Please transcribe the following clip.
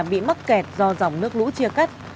bị mắc kẹt do dòng nước lũ chia cắt